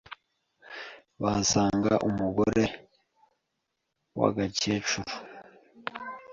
bahasanga umugore w'agakecuru